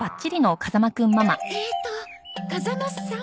えっと風間さん？